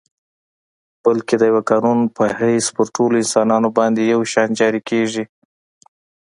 بلکه د یوه قانون په حیث پر ټولو انسانانو باندي یو شان جاري کیږي.